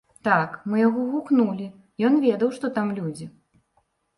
Так, мы яго гукнулі, ён ведаў, што там людзі.